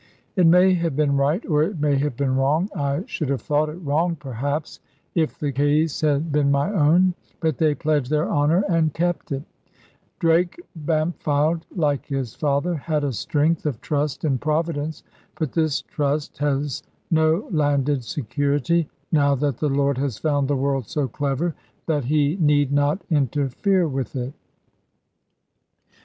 It may have been right, or it may have been wrong I should have thought it wrong, perhaps, if the case had been my own but they pledged their honour and kept it. Drake Bampfylde (like his father) had a strength of trust in Providence. But this trust has no landed security, now that the Lord has found the world so clever, that He need not interfere with it.